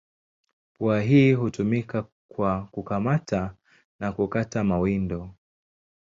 Pua hii hutumika kwa kukamata na kukata mawindo.